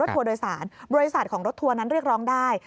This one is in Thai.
ทัวร์โดยสารบริษัทของรถทัวร์นั้นเรียกร้องได้